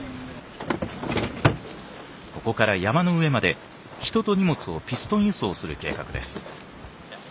ここから山の上まで人と荷物をピストン輸送する計画です。